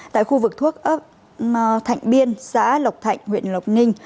tại khu vực thuốc thạnh biên xã lộc thạnh huyện lộc ninh